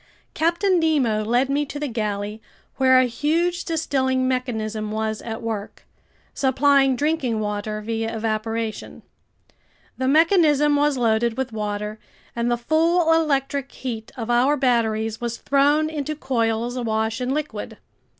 Captain Nemo led me to the galley where a huge distilling mechanism was at work, supplying drinking water via evaporation. The mechanism was loaded with water, and the full electric heat of our batteries was thrown into coils awash in liquid.